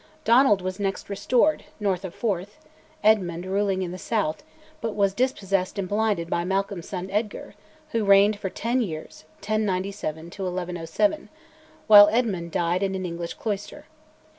Donald was next restored, north of Forth, Eadmund ruling in the south, but was dispossessed and blinded by Malcolm's son Eadgar, who reigned for ten years (1097 1107), while Eadmund died in an English cloister.